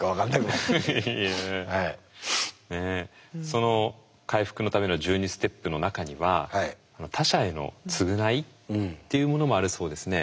その回復のための１２ステップの中には他者への償いっていうものもあるそうですね。